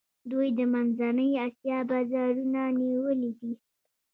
دوی د منځنۍ آسیا بازارونه نیولي دي.